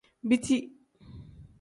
Biti.